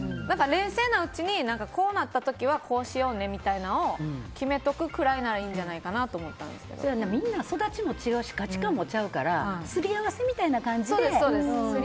冷静なうちにこうなった時はこうしようねみたいなのを決めておくくらいならいいんじゃないかなとみんな育ちも違うし価値観も違うからすり合わせみたいな感じで。